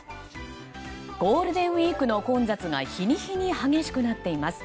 ゴールデンウィークの混雑が日に日に激しくなっています。